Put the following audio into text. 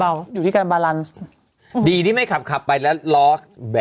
อะค่ามีเท่านี้ค่ะ